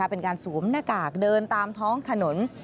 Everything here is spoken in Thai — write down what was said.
เป็นการสวมหน้ากากเดินตามท้องถนน